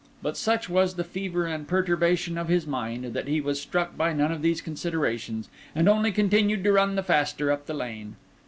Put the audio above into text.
But such was the fever and perturbation of his mind that he was struck by none of these considerations, and only continued to run the faster up the lane.